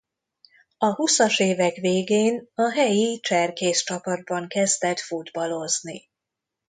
A húszas évek végén a helyi cserkészcsapatban kezdett futballozni.